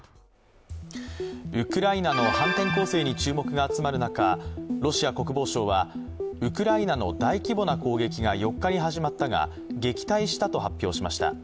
ウクライナの反転攻勢に注目が集まる中、ロシア国防省は、ウクライナの大規模な攻撃が４日に始まったが、撃退したと発表しました。